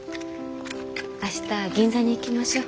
明日銀座に行きましょう。